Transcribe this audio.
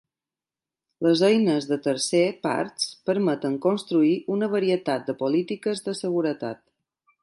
Les eines de tercer parts permeten construir una varietat de polítiques de seguretat.